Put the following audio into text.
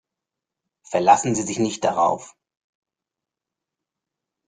Verlassen Sie sich nicht darauf.